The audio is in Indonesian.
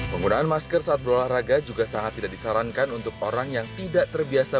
penggunaan masker saat berolahraga juga sangat tidak disarankan untuk orang yang tidak terbiasa